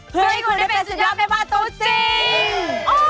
เพื่อให้คุณได้เป็นสุดยอดแม่บ้านตัวจริง